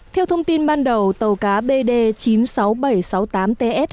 theo thông tin ban đầu tàu cá bd chín mươi sáu nghìn bảy trăm sáu mươi tám ts